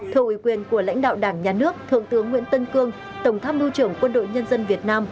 thưa ủy quyền của lãnh đạo đảng nhà nước thượng tướng nguyễn tân cương tổng tham mưu trưởng quân đội nhân dân việt nam